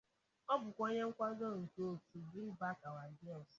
Ọ bụkwa onye nkwado nke otu ‘Bring Back Our Girls’.